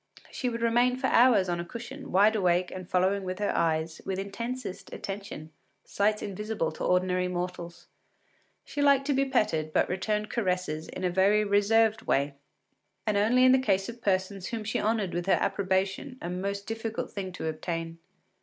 She would remain for hours on a cushion, wide awake and following with her eyes, with intensest attention, sights invisible to ordinary mortals. She liked to be petted, but returned caresses in a very reserved way, and only in the case of persons whom she honoured with her approbation, a most difficult thing to obtain.